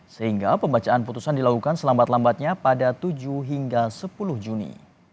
sehingga pembacaan putusan dilakukan selambat lambatnya pada tujuh hingga sepuluh juni